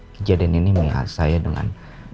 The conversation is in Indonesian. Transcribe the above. kejadian ini menghasilkan saya dengan